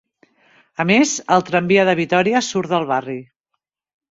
A més, el Tramvia de Vitòria surt del barri.